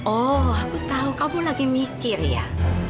oh aku tahu kamu lagi mikir ya